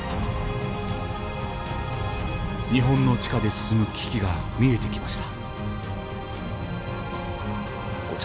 日本の地下で進む危機が見えてきました。